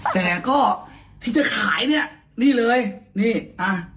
แต่ก็ที่จะขายเนี่ยนี่เลยนี่อ่ะ